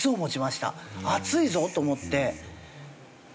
「熱いぞ」と思って。